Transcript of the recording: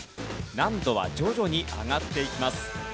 難度は徐々に上がっていきます。